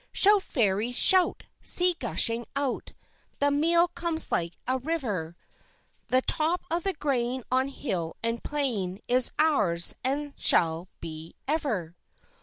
Shout, Fairies, shout! see, gushing out, The meal comes like a river: The top of the grain on hill and plain Is ours, and shall be ever.